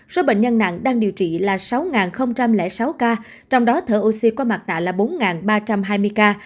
số bệnh nhân nặng đang điều trị là sáu sáu ca trong đó thở oxy qua mặt nạ là bốn ba trăm hai mươi ca